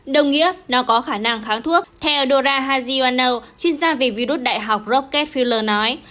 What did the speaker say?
đồng nghĩa nó có khả năng kháng thuốc theo dora haziano chuyên gia về virus đại học rockefeller nói